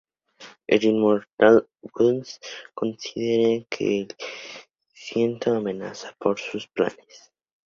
El inmortal Ra's al Ghul considera a El Ciento una amenaza para sus planes.